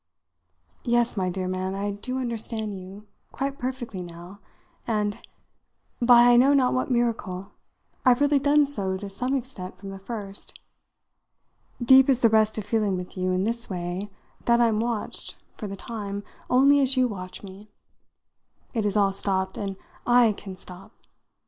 "Yes, my dear man, I do understand you quite perfectly now, and (by I know not what miracle) I've really done so to some extent from the first. Deep is the rest of feeling with you, in this way, that I'm watched, for the time, only as you watch me. It has all stopped, and I can stop.